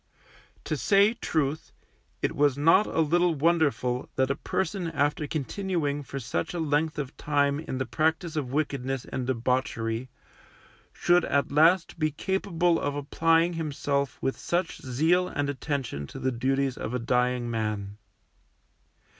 To say truth, it was not a little wonderful that a person after continuing for such a length of time in the practice of wickedness and debauchery, should at last be capable of applying himself with such zeal and attention to the duties of a dying man.